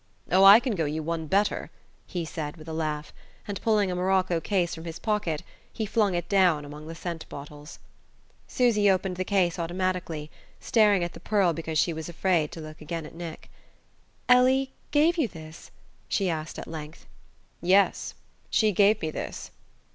"Oh, I can go you one better," he said with a laugh; and pulling a morocco case from his pocket he flung it down among the scent bottles. Susy opened the case automatically, staring at the pearl because she was afraid to look again at Nick. "Ellie gave you this?" she asked at length. "Yes. She gave me this."